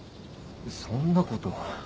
そんなこと。